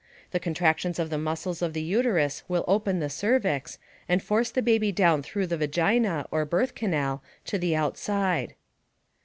The contractions of the muscles of the uterus will open the cervix, and force the baby down through the vagina, or birth canal, to the outside.